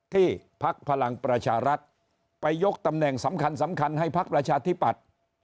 ที่ภักดิ์พลังประชารัฐไปยกตำแหน่งสำคัญให้ภักดิ์ประชาธิปัตย์